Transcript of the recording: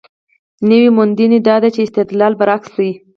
نوې موندنه دا ده چې استدلال برعکس دی.